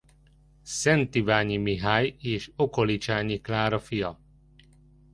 Szent-Iványi Mihály és Okolicsányi Klára fia.